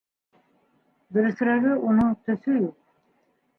Дөрөҫөрәге, уның төҫө юҡ.